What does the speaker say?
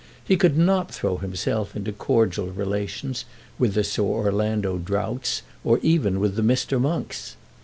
He could not throw himself into cordial relations with the Sir Orlando Droughts, or even with the Mr. Monks.